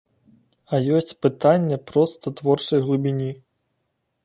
А ёсць пытанне проста творчай глыбіні.